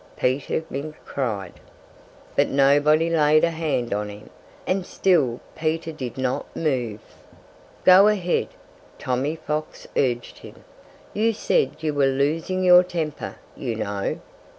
Peter Mink cried. But nobody laid a hand on him. And still Peter did not move. "Go ahead!" Tommy Fox urged him. "You said you were losing your temper, you know."